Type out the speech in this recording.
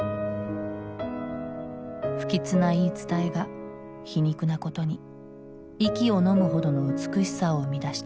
不吉な言い伝えが皮肉なことに息をのむほどの美しさを生み出した。